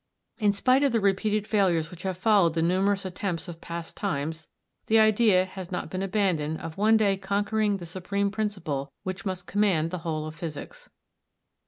In spite of the repeated failures which have followed the numerous attempts of past times, the idea has not been abandoned of one day conquering the supreme principle which must command the whole of physics.